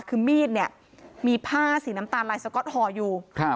คือมีดเนี่ยมีผ้าสีน้ำตาลลายสก๊อตห่ออยู่